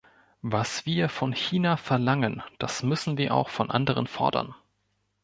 Was wir von China verlangen, das müssen wir auch von anderen fordern.